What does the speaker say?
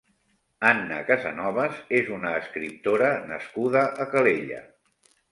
Anna Casanovas és una escriptora nascuda a Calella.